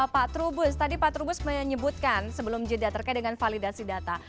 pak trubus tadi pak trubus menyebutkan sebelum jeda terkait dengan validasi data